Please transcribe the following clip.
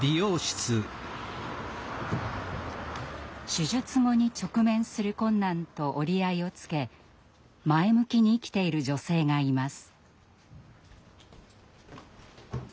手術後に直面する困難と折り合いをつけ前向きに生きている女性がいます。